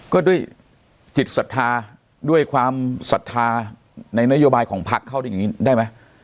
ก็ด้วยจิตศรัทธาด้วยความศรัทธาในนโยบายของพักเขาได้อย่างนี้ได้ไหม